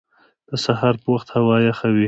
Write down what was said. د سهار په وخت هوا یخه وي